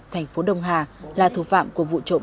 thành phố đông hà là thủ phạm của vụ trộm